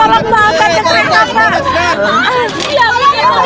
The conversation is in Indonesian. angkat ke mental